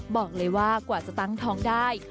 บอกเลยว่ากว่าจะตั้งท้องได้